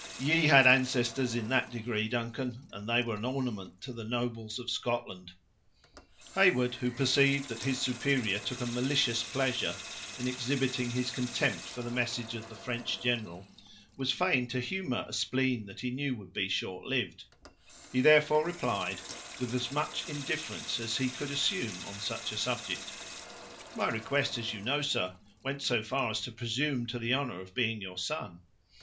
Ye had ancestors in that degree, Duncan, and they were an ornament to the nobles of Scotland." Heyward, who perceived that his superior took a malicious pleasure in exhibiting his contempt for the message of the French general, was fain to humor a spleen that he knew would be short lived; he therefore, replied with as much indifference as he could assume on such a subject: "My request, as you know, sir, went so far as to presume to the honor of being your son."